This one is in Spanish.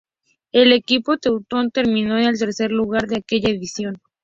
El equipo teutón terminó en el tercer lugar de aquella edición.